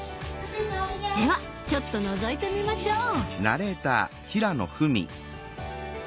ではちょっとのぞいてみましょう。